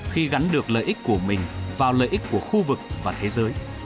khi gắn được lợi ích của mình vào lợi ích của khu vực và thế giới